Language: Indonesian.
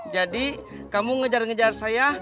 jadi kamu ngejar ngejar saya